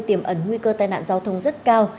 tiềm ẩn nguy cơ tai nạn giao thông rất cao